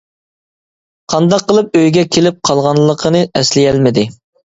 قانداق قىلىپ ئۆيگە كېلىپ قالغانلىقىنى ئەسلىيەلمىدى.